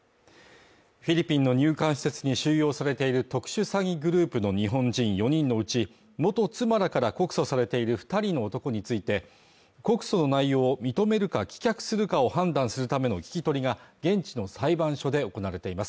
フィリピンの入管施設に収容されている特殊詐欺グループの日本人４人のうち元妻らから告訴されている二人の男について告訴の内容を認めるか棄却するかを判断するための聞き取りが現地の裁判所で行われています